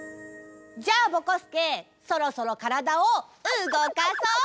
じゃあぼこすけそろそろからだをうごかそう！